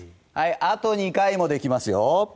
あと２回もできますよ。